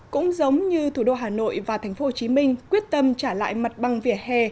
cũng giống như thủ đô hà nội và thành phố hồ chí minh quyết tâm trả lại mặt băng vỉa hè